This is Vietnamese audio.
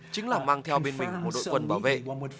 chính là mang theo bên mình một đội quân bảo vệ